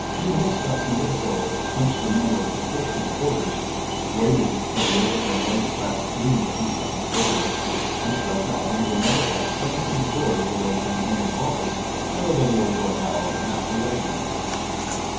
Mihul stepped into the portal, punched the number of her personal quarters, waited till the overhead light flashed green a few seconds later, and stepped out into another hall seventeen floors below Plemponi's office and a little over a mile and a half away from it.